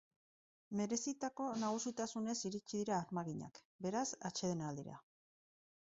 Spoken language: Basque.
Merezitako nagusitasunez iritsi dira armaginak, beraz, atsedenaldira.